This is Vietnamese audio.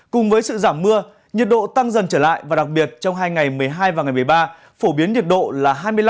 cùng với sự giảm mưa nhiệt độ tăng dần trở lại và đặc biệt trong hai ngày một mươi hai và ngày một mươi ba phổ biến nhiệt độ là hai mươi năm